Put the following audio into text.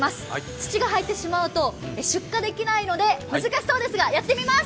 土が入ってしまうと出荷できないので難しそうですが、やってみます！